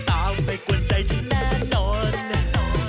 พ่อเจ้ายังกว่ามากถ้ายังจะไปแล้ว